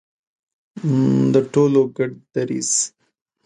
د ټولو ګډ دریځ.